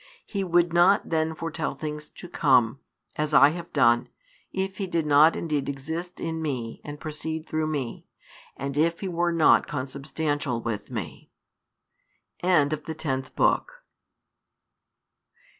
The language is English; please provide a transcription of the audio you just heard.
He would not then foretell things to come, as I have done, if He did not indeed exist in Me and proceed through Me, and if He were not Consubstantial with Me." [End of the tenth book.